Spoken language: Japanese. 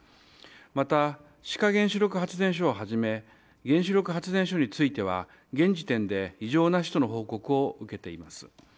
また志賀原子力発電所をはじめ、原子力発電所については現時点で異常なしとの報告を受けています。